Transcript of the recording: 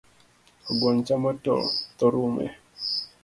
Ogwang chamo to tho rome